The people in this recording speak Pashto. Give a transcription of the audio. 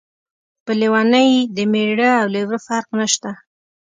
په لیونۍ د مېړه او لېوره فرق نشته.